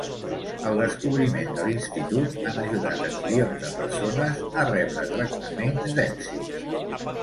Els descobriments de l'institut han ajudat a milions de persones a rebre tractaments d'èxit.